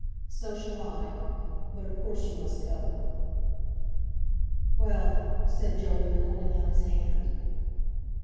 "So shall I; but, of course, you must go." "Well!" said Jolyon holding out his hand.